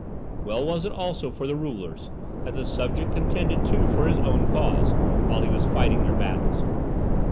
Well was it also for the rulers, that the subject contended too for his own cause, while he was fighting their battles.